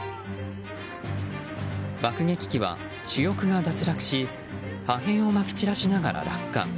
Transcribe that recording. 爆撃機は主翼が脱落し破片をまき散らしながら落下。